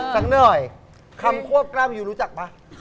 สังเนยคำควบกล้ามอยู่รู้จักปะ